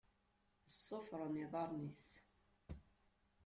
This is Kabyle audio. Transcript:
Ṣṣufṛen iḍaṛṛen-is.